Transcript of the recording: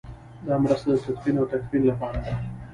دا مرسته د تدفین او تکفین لپاره ده.